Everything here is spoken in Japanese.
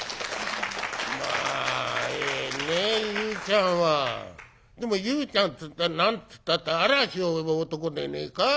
「まあええね裕ちゃんは。でも裕ちゃんっつったら何つったって『嵐を呼ぶ男』でねえか。